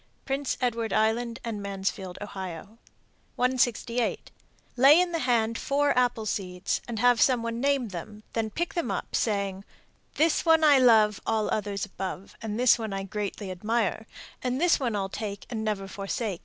Prince Edward Island and Mansfield, O. 168. Lay in the hand four apple seeds and have some one name them, then pick them up, saying, This one I love all others above, And this one I greatly admire, And this one I'll take and never forsake.